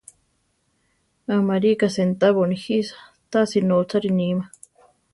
Amarika sentabo nijisa, tasi nótzari nima.